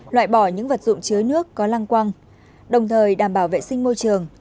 loại bỏ những vật dụng chứa nước có lăng quang đồng thời đảm bảo vệ sinh môi trường